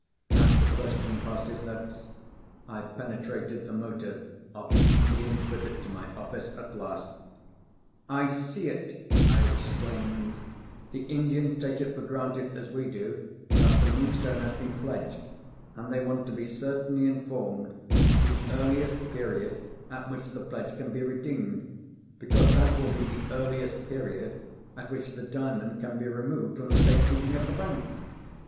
As the question passed his lips, I penetrated the motive of the Indian's visit to my office at last! "I see it!" I exclaimed. "The Indians take it for granted, as we do, that the Moonstone has been pledged; and they want to be certainly informed of the earliest period at which the pledge can be redeemed—because that will be the earliest period at which the Diamond can be removed from the safe keeping of the bank!"